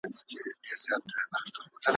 چا یوه او چا بل لوري ته ځغستله .